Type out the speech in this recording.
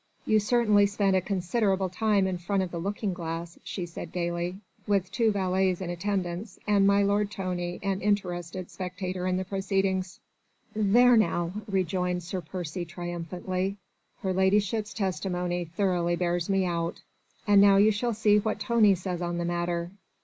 "You certainly spent a considerable time in front of the looking glass," she said gaily, "with two valets in attendance and my lord Tony an interested spectator in the proceedings." "There now!" rejoined Sir Percy triumphantly, "her ladyship's testimony thoroughly bears me out. And now you shall see what Tony says on the matter.